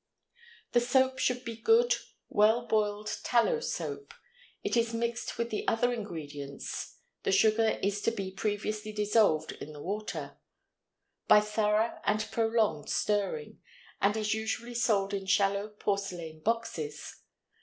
The soap should be good, well boiled tallow soap; it is mixed with the other ingredients (the sugar is to be previously dissolved in the water) by thorough and prolonged stirring, and is usually sold in shallow porcelain boxes.